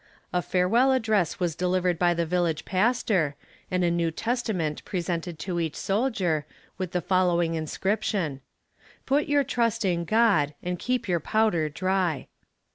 A farewell address was delivered by the village Pastor, and a new Testament presented to each soldier, with the following inscription: "Put your trust in God and keep your powder dry."